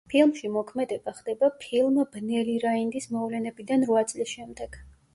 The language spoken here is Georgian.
ფილმში მოქმედება ხდება ფილმ „ბნელი რაინდის“ მოვლენებიდან რვა წლის შემდეგ.